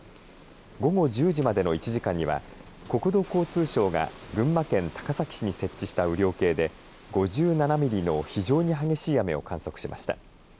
午後１０時までの１時間には国土交通省が群馬県高崎市に設置した雨量計で５７ミリの非常に激しい雨を観測しました。